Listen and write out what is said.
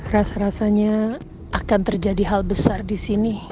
rasa rasanya akan terjadi hal besar disini